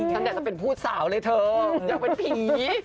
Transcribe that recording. ตั้งแต่จะเป็นพูดสาวเลยเธออยากเป็นผี